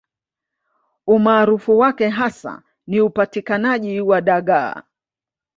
Umaarufu wake hasa ni upatikanaji wa dagaa